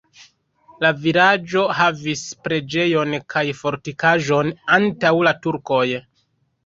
La vilaĝo havis preĝejon kaj fortikaĵon antaŭ la turkoj.